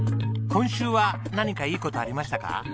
今週は何かいい事ありましたか？